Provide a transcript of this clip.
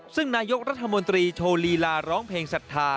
ซึ่งนายกรัฐมนตรีโชว์ลีลาร้องเพลงศรัทธา